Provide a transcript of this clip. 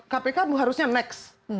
kpk harusnya next